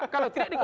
kalau tidak di tiga